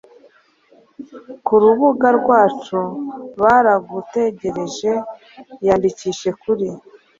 ku rubuga rwacu baragutegereje Iyandikishe kuri